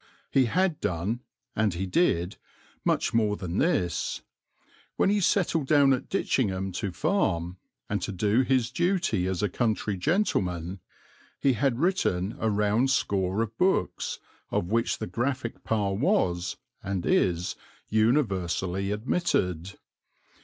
He had done, and he did, much more than this. When he settled down at Ditchingham to farm, and to do his duty as a country gentleman, he had written a round score of books of which the graphic power was, and is, universally admitted.